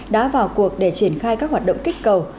đã vào cuộc để triển khai các hoạt động kích cầu